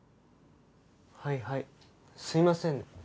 はいはいすいませんね。